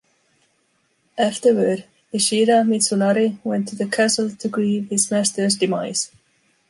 Afterward, Ishida Mitsunari went to the castle to grieve his master's demise.